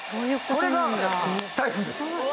これが台風です。